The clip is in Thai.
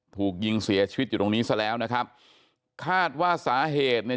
ถูกยิงเสียชีวิตอยู่ตรงนี้ซะแล้วนะครับคาดว่าสาเหตุเนี่ย